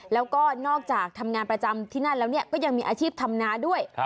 แล้วก็นอกจากทำงานประจำที่นั่นแล้วก็ยังมีอาชีพธรรมนาด้วย